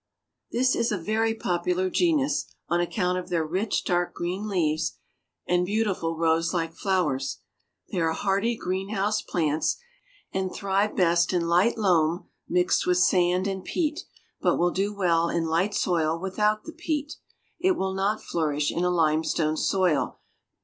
This is a very popular genus on account of their rich dark green leaves, and beautiful rose like flowers. They are hardy greenhouse plants, and thrive best in light loam mixed with sand and peat, but will do well in light soil without the peat. It will not flourish in a limestone soil.